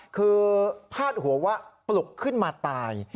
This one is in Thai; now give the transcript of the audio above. คือพาดหัวว่าปลุกขึ้นมาตาย